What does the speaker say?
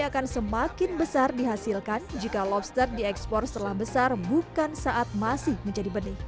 akan semakin besar dihasilkan jika lobster diekspor setelah besar bukan saat masih menjadi benih